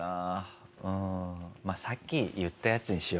うんさっき言ったやつにしよう。